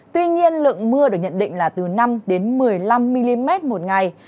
tuy nhiên lượng mưa được nhận định là từ năm một mươi năm mm một ngày